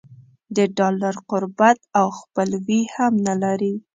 د ډالر قربت او خپلوي هم نه لري.